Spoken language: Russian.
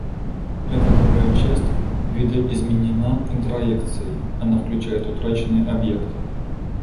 Эта другая часть видоизменена интроекцией, она включает утраченный объект.